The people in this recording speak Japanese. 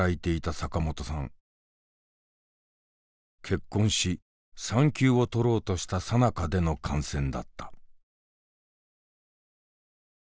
結婚し産休を取ろうとしたさなかでの感染だった。